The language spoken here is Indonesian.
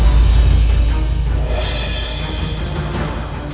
dan ratu sekarwangi juga benar benar berharga